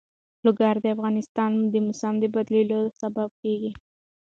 لوگر د افغانستان د موسم د بدلون سبب کېږي.